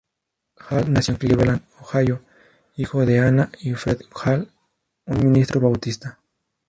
Hall nació en Cleveland, Ohio, hijo de Ana y Fred Hall, un ministro bautista.